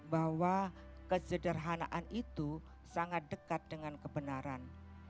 bahwa kesederhanaan itu sangat dekat dengan kebenaran